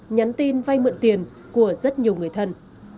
nhắn tin vay mượn tiền của rất nhiều người thân